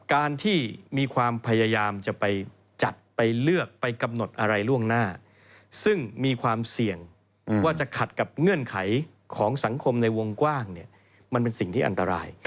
การที่มีความพยายามจะไปจัดไปเลือกไปกำหนดอะไรล่วงหน้าซึ่งมีความเสี่ยงว่าจะขัดกับเงื่อนไขของสังคมในวงกว้างเนี่ยมันเป็นสิ่งที่อันตราย